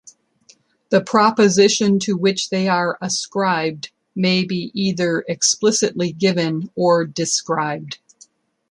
The proposition to which they are ascribed may be either explicitly given or described.